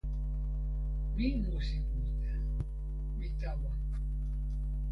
mi musi mute. mi tawa.